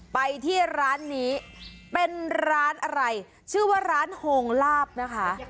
ไปที่ร้านนี้เป็นร้านอะไรชื่อว่าร้านโฮงลาบนะคะ